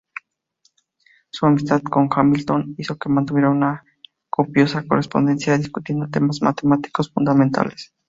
Su amistad con Hamilton hizo que mantuviera una copiosa correspondencia discutiendo temas matemáticos fundamentales.